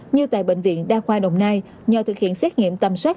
như tại bệnh viện đa khoa đồng nai nhờ thực hiện xét nghiệm tầm soát